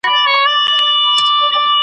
دا چي لوی سي نو که نن وي که سبا وي .